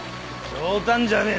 冗談じゃねぇ！